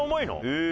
へえ。